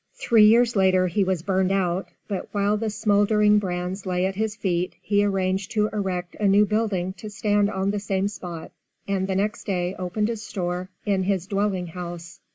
Three years later he was burned out, but while the smouldering brands lay at his feet he arranged to erect a new building to stand on the same spot, and the next day opened a store in his dwelling house.